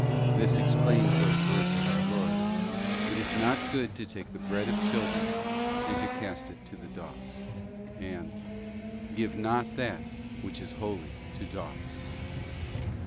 aa wend not This explains those words of our Lord, ' It is not good to the « ent take the bread of children, and to cast it to the dogs;'* and 'Give not that which is holy to dogs.